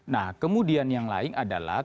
nah kemudian yang lain adalah